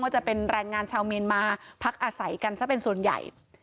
จะเป็นแรงงานชาวเมียนมาพักอาศัยกันซะเป็นส่วนใหญ่